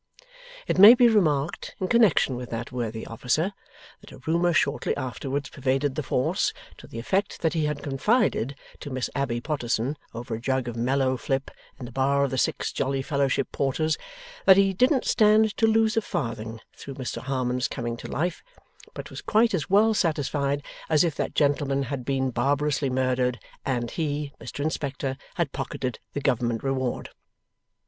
It may be remarked, in connexion with that worthy officer, that a rumour shortly afterwards pervaded the Force, to the effect that he had confided to Miss Abbey Potterson, over a jug of mellow flip in the bar of the Six Jolly Fellowship Porters, that he 'didn't stand to lose a farthing' through Mr Harmon's coming to life, but was quite as well satisfied as if that gentleman had been barbarously murdered, and he (Mr Inspector) had pocketed the government reward.